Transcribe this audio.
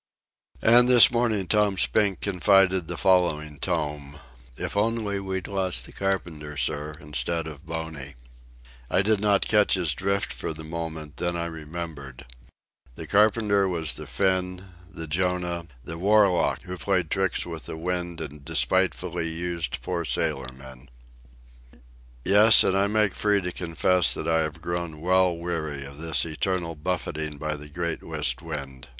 And this morning Tom Spink confided the following tome: "If only we'd lost the carpenter, sir, instead of Boney." I did not catch his drift for the moment; then I remembered. The carpenter was the Finn, the Jonah, the warlock who played tricks with the winds and despitefully used poor sailormen. Yes, and I make free to confess that I have grown well weary of this eternal buffeting by the Great West Wind.